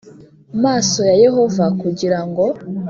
Maso ya yehova kugira ngo